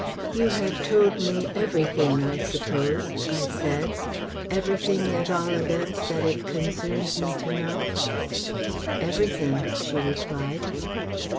"You have told me everything, I suppose," I said "everything at all events that it concerns me to know." "Everything," she replied.